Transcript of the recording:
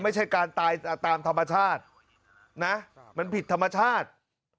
ไม่ใช่การตายตามธรรมชาตินะมันผิดธรรมชาติ